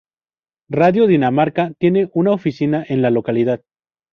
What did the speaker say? Radio Dinamarca tiene una oficina en la localidad.